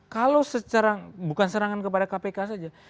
kalau secara bukan serangan kepada kpk saja